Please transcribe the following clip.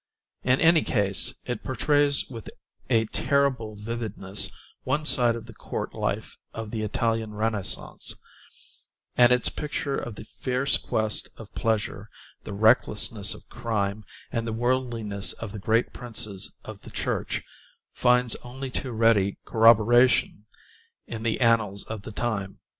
In any case, it portrays with a terrible vividness one side of the court life of the Italian Renaissance; and its picture of the fierce quest of pleasure, the recklessness of crime, and the worldliness of the great princes of the Church finds only too ready corroboration in the annals of the time.